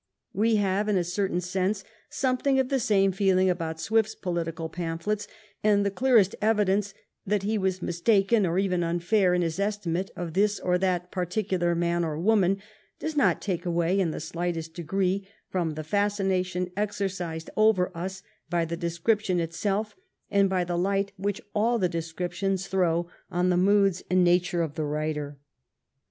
We have in a certain sense something of the same feeling about Swift's political pamphlets, and the clearest evidence that he was mistaken or even unfair in his estimate of this or that particular man or woman does not take away in the slightest degree from the fascination ex ercised over us by the description itself, and by the light which all the descriptions throw on the moods and nature of the writer.